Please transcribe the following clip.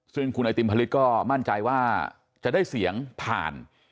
ซึ่งคุณไอติมผลิตก็มั่นใจว่าจะได้เสียงผ่าน